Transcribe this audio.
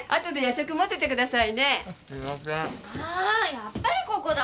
やっぱりここだ。